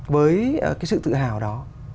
với cái sự tự hào đó